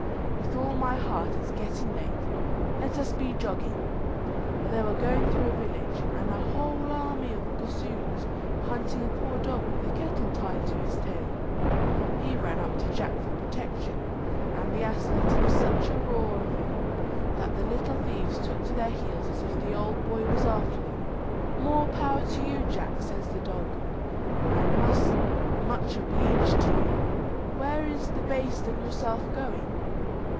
"With all my heart, it's getting late, let us be jogging." Well, they were going through a village, and a whole army of gossoons were hunting a poor dog with a kettle tied to his tail. He ran up to Jack for protection, and the ass let such a roar out of him, that the little thieves took to their heels as if the ould boy was after them. "More power to you, Jack," says the dog. "I'm much obleeged to you: where is the baste and yourself going?"